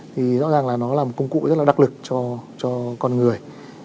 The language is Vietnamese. thì rõ ràng là nó là một công cụ rất là đắc lực cho con người